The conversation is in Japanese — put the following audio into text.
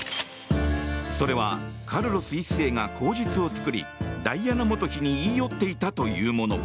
それは、カルロス１世が口実を作りダイアナ元妃に言い寄っていたというもの。